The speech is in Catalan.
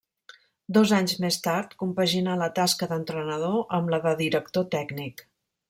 Dos anys més tard compaginà la tasca d'entrenador amb la de director tècnic.